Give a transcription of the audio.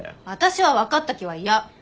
私は分かった気は嫌！